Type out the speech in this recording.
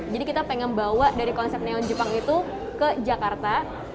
kita pengen bawa dari konsep neon jepang itu ke jakarta